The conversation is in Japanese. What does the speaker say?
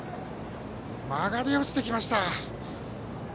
曲がり落ちてきました。